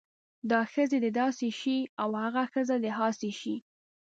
دا ښځې د داسې شی او هاغه ښځې د هاسې شی